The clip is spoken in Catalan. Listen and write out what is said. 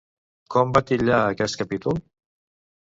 Com va titllar aquells capítols?